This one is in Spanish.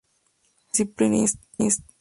Discipline inst.